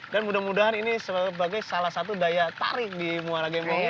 dan mudah mudahan ini sebagai salah satu daya tarik di muara gembong uni gitu